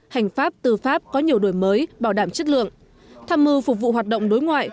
hành pháp tư pháp có nhiều đổi mới bảo đảm chất lượng tham mưu phục vụ hoạt động đối ngoại